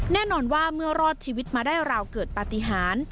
แน่นอนว่าเมื่อรอดชีวิตมาได้ราวเกิดปฏิหาร